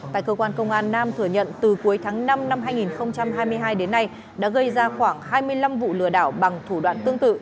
tại cơ quan công an nam thừa nhận từ cuối tháng năm năm hai nghìn hai mươi hai đến nay đã gây ra khoảng hai mươi năm vụ lừa đảo bằng thủ đoạn tương tự